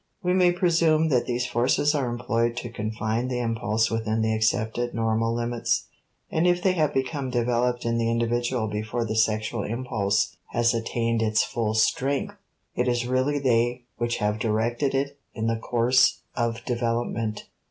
We may presume that these forces are employed to confine the impulse within the accepted normal limits, and if they have become developed in the individual before the sexual impulse has attained its full strength, it is really they which have directed it in the course of development.